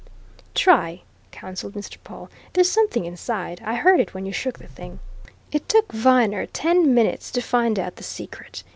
"Try," counselled Mr. Pawle. "There's something inside I heard it when you shook the thing." It took Viner ten minutes to find out the secret.